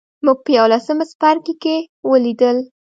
موږ په یوولسم څپرکي کې ولیدل.